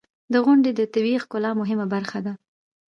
• غونډۍ د طبیعی ښکلا مهمه برخه ده.